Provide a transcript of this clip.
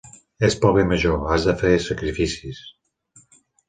És pel bé major, has de fer sacrificis.